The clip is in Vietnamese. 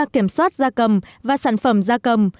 kiểm soát gia cầm và sản phẩm gia cầm